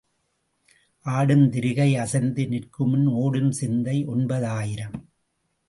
ஆடும் திரிகை அசைந்து நிற்குமுன் ஓடும் சிந்தை ஒன்பதாயிரம்.